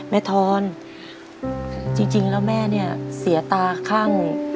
ทอนจริงแล้วแม่เนี่ยเสียตาข้าง